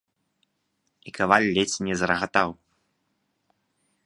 І каваль ледзь не зарагатаў.